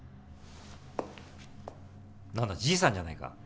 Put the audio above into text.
何だじいさんじゃないか。